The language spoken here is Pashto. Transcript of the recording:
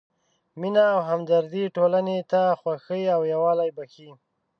مینه او همدردي ټولنې ته خوښي او یووالی بښي.